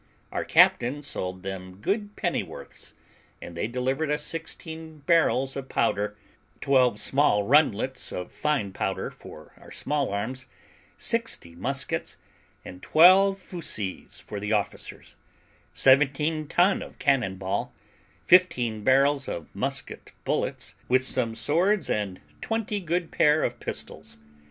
Our captain sold them good pennyworths, and they delivered us sixteen barrels of powder, twelve small rundlets of fine powder for our small arms, sixty muskets, and twelve fuzees for the officers; seventeen ton of cannon ball, fifteen barrels of musket bullets, with some swords and twenty good pair of pistols.